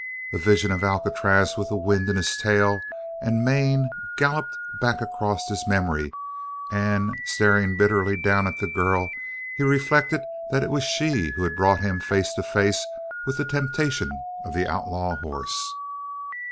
A vision of Alcatraz with the wind in tail and mane galloped back across his memory and staring bitterly down at the girl he reflected that it was she who had brought him face to face with the temptation of the outlaw horse.